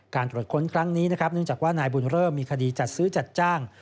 ตรวจค้นครั้งนี้นะครับเนื่องจากว่านายบุญเริ่มมีคดีจัดซื้อจัดจ้าง